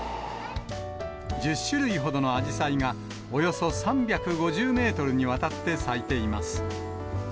１０種類ほどのあじさいが、およそ３５０メートルにわたって咲いています。